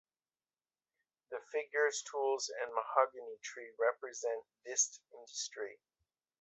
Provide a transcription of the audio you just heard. The figures, tools, and mahogany tree represent this industry.